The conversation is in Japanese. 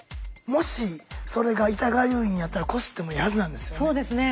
もしそれが痛がゆいんやったらこすってもいいはずなんですよね。